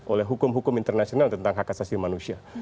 oleh hukum hukum internasional tentang hak asasi manusia